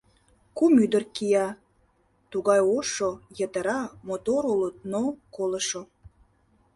Кум ӱдыр кия, тугай ошо, йытыра, мотор улыт, но — колышо.